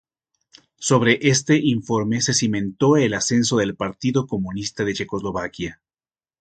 Sobre este informe se cimentó el ascenso del Partido Comunista de Checoslovaquia.